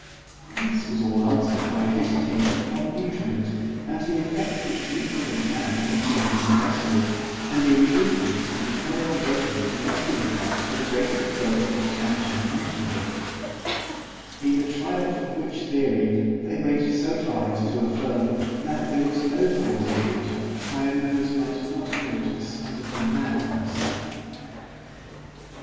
This was all answered by a dissertation upon nutriment, and the effect which nutriment had in extending the vessels, and in the increase and prolongation of the muscular parts to the greatest growth and expansion imaginable—In the triumph of which theory, they went so far as to affirm, that there was no cause in nature, why a nose might not grow to the size of the man himself.